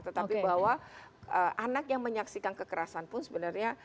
tetapi bahwa anak yang menyaksikan kekerasan pun sebenarnya